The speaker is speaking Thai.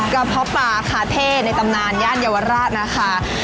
เพาะปลาคาเท่ในตำนานย่านเยาวราชนะคะ